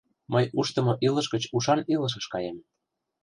Мый ушдымо илыш гыч ушан илышыш каем...